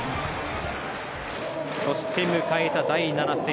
そして迎えた第７戦。